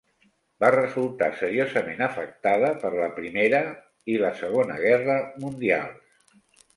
Va resultar seriosament afectada per la Primera i la Segona Guerra Mundials.